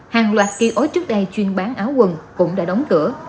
hàng loạt kỳ ối trước đây chuyên bán áo quần cũng đã đóng cửa